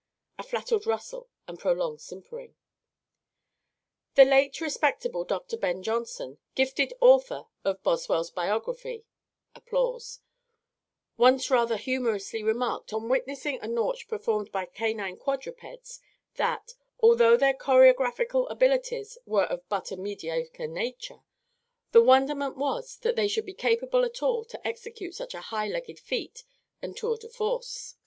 (A flattered rustle and prolonged simpering.) "The late respectable Dr BEN JOHNSON, gifted author of Boswell's Biography, once rather humorously remarked, on witnessing a nautch performed by canine quadrupeds, that although their choreographical abilities were of but a mediocre nature the wonderment was that they should be capable at all to execute such a hind legged feat and tour de force.